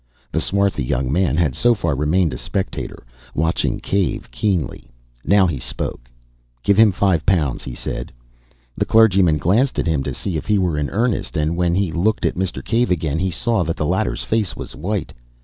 The swarthy young man had so far remained a spectator, watching Cave keenly. Now he spoke. "Give him five pounds," he said. The clergyman glanced at him to see if he were in earnest, and, when he looked at Mr. Cave again, he saw that the latter's face was white.